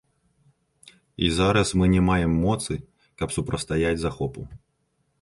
І зараз мы не маем моцы, каб супрацьстаяць захопу.